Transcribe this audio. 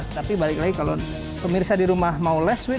tapi balik lagi kalau pemirsa di rumah mau last wit